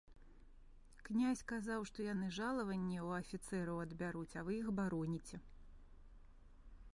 Князь казаў, што яны жалаванне ў афіцэраў адбяруць, а вы іх бароніце.